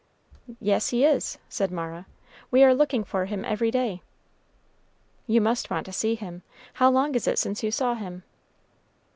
"Yes, he is," said Mara; "we are looking for him every day." "You must want to see him. How long is it since you saw him?"